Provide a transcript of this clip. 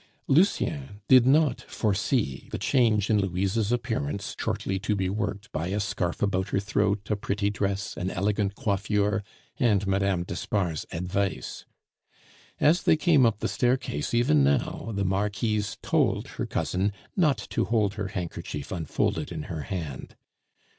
Lucien did not foresee the change in Louise's appearance shortly to be worked by a scarf about her throat, a pretty dress, an elegant coiffure, and Mme. d'Espard's advice. As they came up the staircase even now, the Marquise told her cousin not to hold her handkerchief unfolded in her hand.